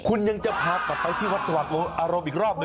คุณยังจะพากลับไปที่วัดสว่างอารมณ์อีกรอบหนึ่ง